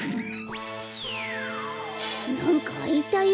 なんかあいたよ。